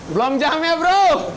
belum jam ya bro